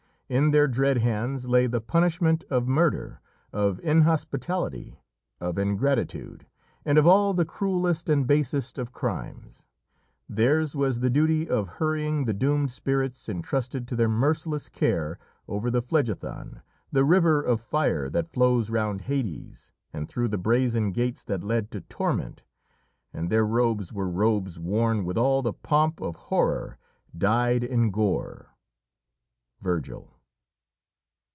In their dread hands lay the punishment of murder, of inhospitality, of ingratitude, and of all the cruellest and basest of crimes. Theirs was the duty of hurrying the doomed spirits entrusted to their merciless care over the Phlegethon, the river of fire that flows round Hades, and through the brazen gates that led to Torment, and their robes were robes worn "With all the pomp of horror, dy'd in gore." Virgil.